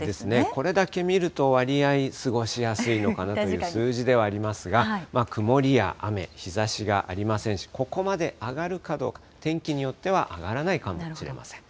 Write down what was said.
これだけ見ると、割合、過ごしやすいのかなという数字ではありますが、曇りや雨、日ざしがありませんし、ここまで上がるかどうか、天気によっては上がらないかもしれません。